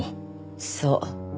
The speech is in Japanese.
そう。